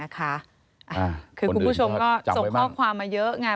คือคุณผู้ชมก็ส่งข้อความมาเยอะไง